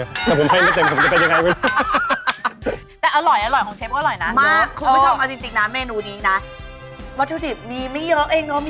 วันนี้ก็ต้องขอขอบคุณเชฟภูมิมาก